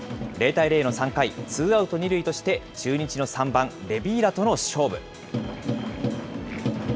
０対０の３回、ツーアウト２塁として中日の３番レビーラとの勝負。